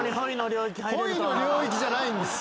ほいの領域じゃないんです。